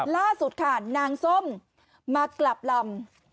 ล่าสุดค่ะนางส้มมากลับลำ